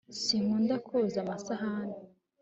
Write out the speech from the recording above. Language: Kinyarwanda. sinkunda koza amasahani